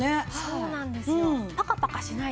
そうなんですよ。